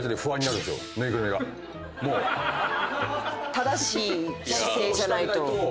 正しい姿勢じゃないと。